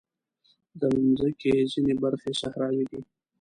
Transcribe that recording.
د مځکې ځینې برخې صحراوې دي.